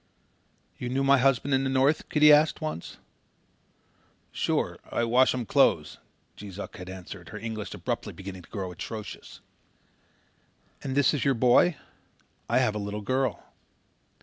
"You knew my husband in the North?" Kitty asked, once. "Sure. I wash um clothes," Jees Uck had answered, her English abruptly beginning to grow atrocious. "And this is your boy? I have a little girl."